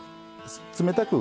冷たく